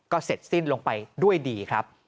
ก็เสร็จสิ้นลงไปด้วยดีครับ